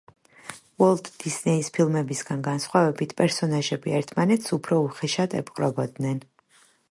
უოლტ დისნეის ფილმებისგან განსხვავებით, პერსონაჟები ერთმანეთს უფრო უხეშად ეპყრობოდნენ.